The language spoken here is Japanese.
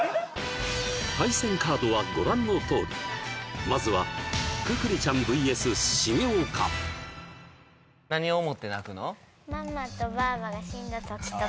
対戦カードはご覧のとおりまずはくくりちゃんＶＳ重岡じゃあ